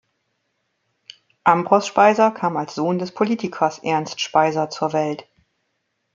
Ambros Speiser kam als Sohn des Politikers Ernst Speiser zur Welt.